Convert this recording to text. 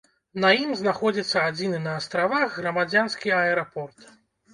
На ім знаходзіцца адзіны на астравах грамадзянскі аэрапорт.